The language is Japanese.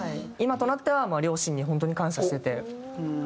今となっては両親に本当に感謝してて。